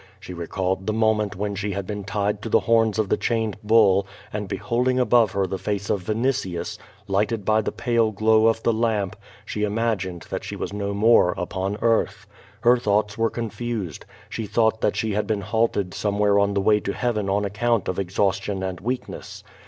She recalled the moment when she had been tied to the horns of tlie chained bull and beholding above her the face of Vinitius, lighted by the pale gloM' of the lamp, she imagined that she was no more upon eartli. Her thoughts were confused. She thought that she had been halted somewhere on the way to Heaven on account of exhaustion and weakness.